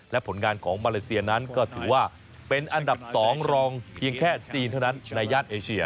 และผลงานของมาเลเซียนั้นก็ถือว่าเป็นอันดับ๒รองเพียงแค่จีนเท่านั้นในย่านเอเชีย